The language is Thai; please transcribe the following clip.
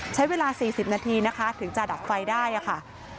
ใช้เวลา๔๐นาทีนะคะถึงจะดับไฟได้ค่ะ